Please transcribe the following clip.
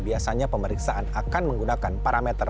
biasanya pemeriksaan akan menggunakan parameter